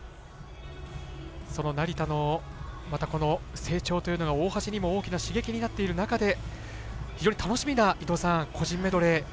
成田の、この成長というのが大橋にも大きな刺激になっている中で非常に楽しみな個人メドレー